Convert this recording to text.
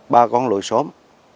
ba con lội xóm